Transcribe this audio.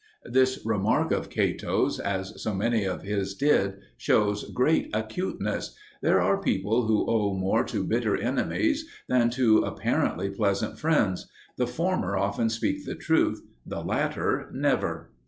This remark of Cato's, as so many of his did, shews great acuteness: "There are people who owe more to bitter enemies than to apparently pleasant friends: the former often speak the truth, the latter never."